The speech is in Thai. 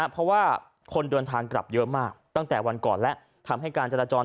เพราะว่าคนเดินทางกลับเยอะมากตั้งแต่วันก่อนและทำให้การจราจร